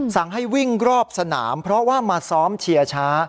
สั่งให้วิ่งรอบสนามเพราะว่ามาซ้อมเชียร์ช้า